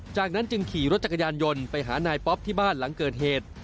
จากนั้นจึงขี่รถจักรยานยนต์ไปหานายป๊อปที่บ้านหลังเกิดเหตุ